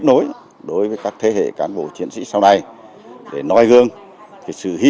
nắm tay con trai mình